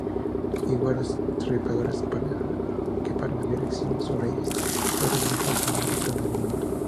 Higueras trepadoras que para vivir extienden sus raíces varios metros en busca de alimento.